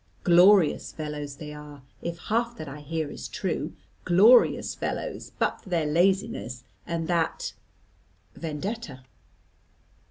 Glorious fellows they are, if half that I hear is true, glorious fellows but for their laziness, and that Vendetta."